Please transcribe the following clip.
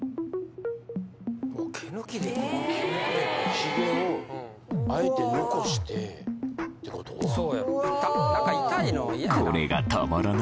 ヒゲをあえて残してってこと？え！